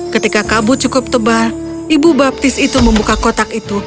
ketika kabut cukup tebal ibu baptis itu membuka kotak itu